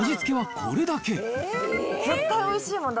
絶対おいしいもん。